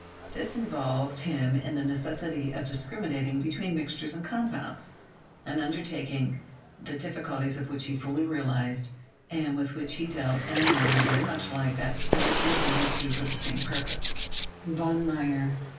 This involves him in the necessity of discriminating between mixtures and compounds, an undertaking the difficulties of which he fully realized, and with which he dealt in a manner very much like that still resorted to for the same purpose, (von Meyer.)